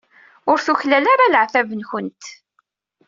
Ur tuklal ara leɛtab-nwent.